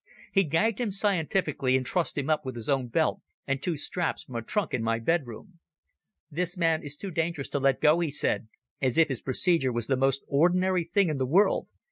He gagged him scientifically, and trussed him up with his own belt and two straps from a trunk in my bedroom. "This man is too dangerous to let go," he said, as if his procedure were the most ordinary thing in the world.